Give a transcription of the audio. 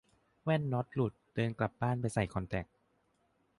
แว่นน็อตหลุด เดินกลับบ้านไปใส่คอนแทค